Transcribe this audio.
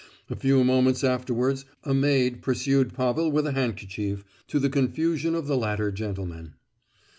A few moments afterwards a maid pursued Pavel with a handkerchief, to the confusion of the latter gentleman.